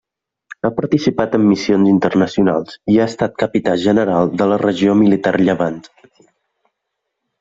Ha participat en missions internacionals i ha estat capità general de la Regió Militar Llevant.